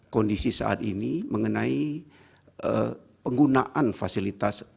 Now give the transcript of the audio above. kondisi saat ini mengenai penggunaan fasilitas